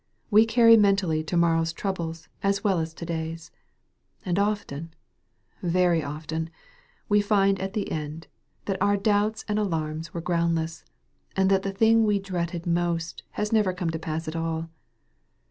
We carry mentally to morrow's troubles, as well as to day's. And often, very often, we find at the end, that our doubts and alarms were groundless, and that the thing ,ve dreaded most has never come to pass at all.